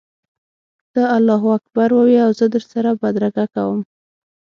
ته الله اکبر ووایه او زه در سره بدرګه کوم.